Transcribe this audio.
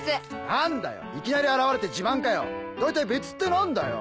何だよいきなり現れて自慢かよ大体別って何だよ？